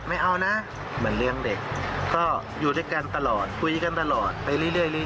ไม่เอานะเหมือนเลี้ยงเด็กก็อยู่ด้วยกันตลอดคุยกันตลอดไปเรื่อย